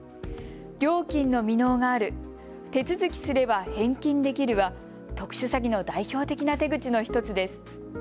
料金の未納がある、手続きすれば返金できるは特殊詐欺の代表的な手口の１つです。